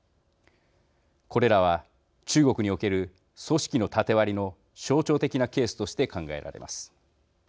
これらは中国における組織の縦割りの象徴的なケースとして考えられます。